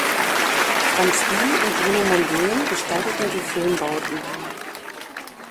Franz Bi und Bruno Monden gestalteten die Filmbauten.